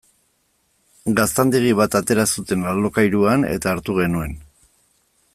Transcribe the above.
Gaztandegi bat atera zuten alokairuan eta hartu genuen.